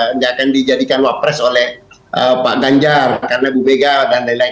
tidak akan dijadikan wapres oleh pak ganjar karena bu mega dan lain lain